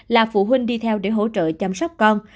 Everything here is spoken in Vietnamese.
là phụ huynh đi theo để hỗ trợ chăm sóc con